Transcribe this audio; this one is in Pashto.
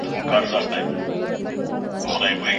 دا د دوو پښتنو د لیدو کیسه وه.